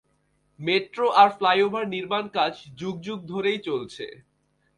Metro আর flyover নির্মাণকাজ যুগ যুগ ধরেই চলছে।